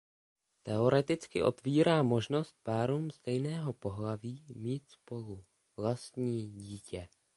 Teoreticky otvírá možnost párům stejného pohlaví mít spolu "vlastní" dítě.